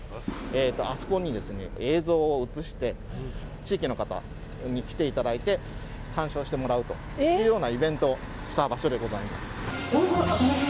あそこに映像を映して地域の方に来ていただいて鑑賞してもらうというようなイベントをした場所でございます。